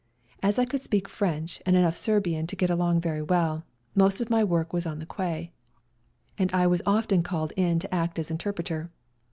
As I could speak French and enough Serbian to get along very well, most of my work was on the quay, and I was often called in to act as interpreter.